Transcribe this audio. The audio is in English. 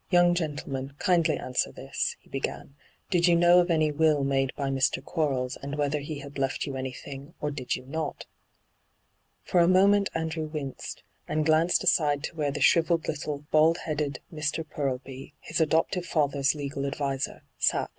* Young gentleman, kindly answer this,' he b^an :' Did you know of any will made by Mr. Quarles, and whether he had left you anything, or did you not V For a moment Andrew winced, and glanced aside to where the shrivelled little, bald headed Mr. Furlby, his adoptive father's legal adviser, sat.